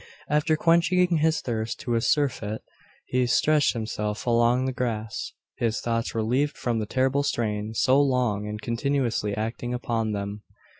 After quenching his thirst to a surfeit, he stretched himself along the grass, his thoughts relieved from the terrible strain so long and continuously acting upon them.